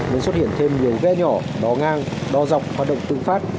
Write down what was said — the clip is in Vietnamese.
nên xuất hiện thêm nhiều ghe nhỏ đo ngang đo dọc hoạt động tự phát